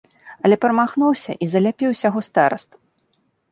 Але прамахнуўся і заляпіў усяго старасту.